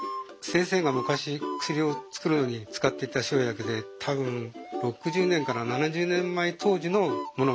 先生が昔薬を作るのに使っていた生薬で多分６０年から７０年前当時のものが残ってるんですよ。